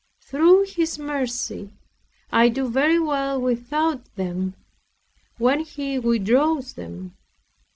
Through His mercy, I do very well without them, when He withdraws them.